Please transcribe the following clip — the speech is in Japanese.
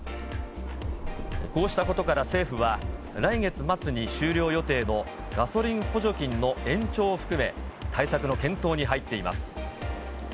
こうしたことから政府は、来月末に終了予定のガソリン補助金の延長を含め、対策の検討に入っています。